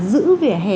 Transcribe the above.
giữ vỉa hè